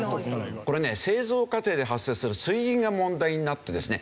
これね製造過程で発生する水銀が問題になってですね